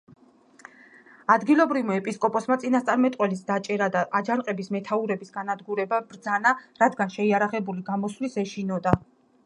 ადგილობრივმა ეპისკოპოსმა წინასწარმეტყველის დაჭერა და აჯანყების მეთაურების განადგურება ბრძანა, რადგან შეიარაღებული გამოსვლის ეშინოდა.